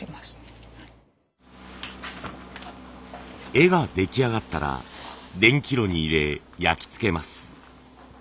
絵が出来上がったら電気炉に入れ焼きつけます。